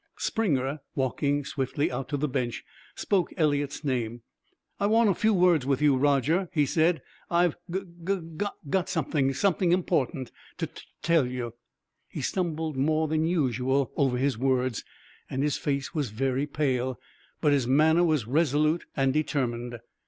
Springer, walking swiftly out to the bench, spoke Eliot's name. "I want a few words with you, Roger," he said; "I've gug gug got something something important to to tell you." He stumbled more than usual over his words, and his face was very pale; but his manner was resolute and determined.